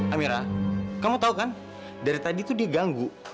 amirah kamu tau kan dari tadi tuh dia ganggu